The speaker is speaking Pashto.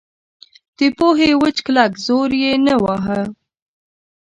د پوهې وچ کلک زور یې نه واهه.